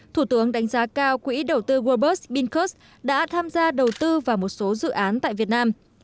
thủ tướng đánh giá cao quỹ đầu tư worldbus binkers đã tham gia đầu tư vào một số dự án tại việt nam